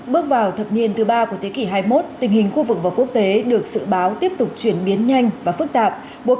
bước vào thập niên thứ ba của thế kỷ hai mươi một tình hình khu vực và quốc tế được dự báo tiếp tục chuyển biến nhanh và phức tạp